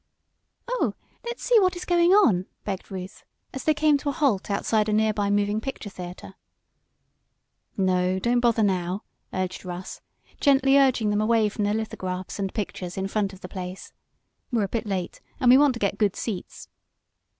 "Oh, let's see what is going on!" begged Ruth, as they came to a halt outside a nearby moving picture theater. "No, don't bother now!" urged Russ, gently urging them away from the lithographs and pictures in front of the place. "We're a bit late, and we want to get good seats."